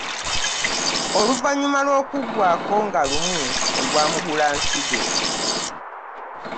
Oluvannyuma lw'okuggwako nga lumu ogwa Mugulansigo